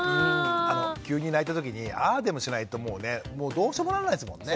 急に泣いたときにああでもしないともうどうしようもなんないですもんね。